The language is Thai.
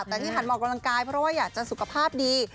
แต่ที่หันออกกำลังกายเพราะว่าอยากจะสุขภาพดี